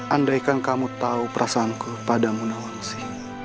andai kan kamu tahu perasaanku pada munawansi